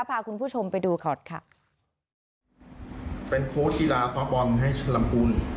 พาคุณผู้ชมไปดูขอดค่ะเป็นโค้ชกีฬาฟ้าบอลให้ชลำคูณ